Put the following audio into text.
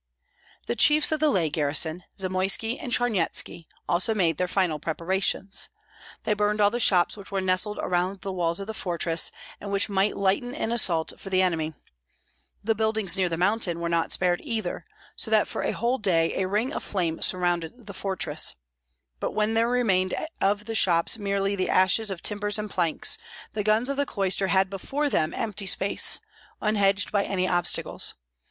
The chiefs of the lay garrison, Zamoyski and Charnyetski, also made their final preparations. They burned all the shops which were nestled around the walls of the fortress and which might lighten an assault for the enemy; the buildings near the mountain were not spared either, so that for a whole day a ring of flame surrounded the fortress; but when there remained of the shops merely the ashes of timbers and planks, the guns of the cloister had before them empty space, unhedged by any obstacles.